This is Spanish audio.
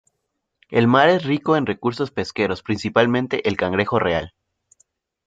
El mar es rico en recursos pesqueros, principalmente el cangrejo real.